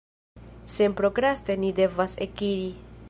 Senprokraste ni devas ekiri.